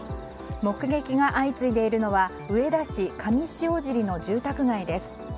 目撃が相次いでいるのは上田市上塩尻の住宅街です。